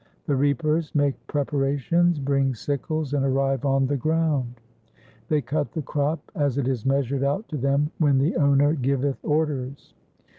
The reapers 1 make preparations, bring sickles, and arrive on the ground. They cut the crop as it is measured out to them when the Owner giveth orders.